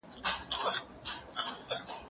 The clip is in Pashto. خبري د زده کوونکي له خوا کيږي